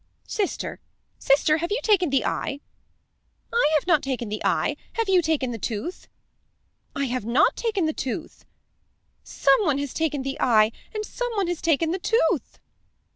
"Sister, sister, have you taken the eye?" "I have not taken the eye. Have you taken the tooth?" "I have not taken the tooth." "Some one has taken the eye, and some one has taken the tooth."